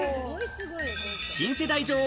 新世代女王・